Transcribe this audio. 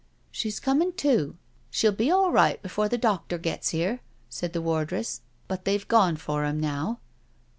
" She's comin' to — she'll be all right before the doctor gets here," said the wardress —" but they've gone for 'im now."